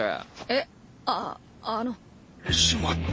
えっああの。